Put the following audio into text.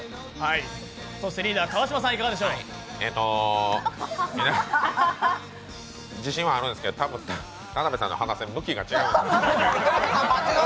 えーと、自信はあるんですけど、多分、田辺さんの鼻栓向きが違うんですよね。